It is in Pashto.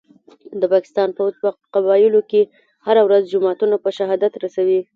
د پاکستان پوځ په قبایلو کي هره ورځ جوماتونه په شهادت رسوي